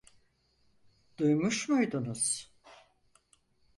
Duymuş muydunuz?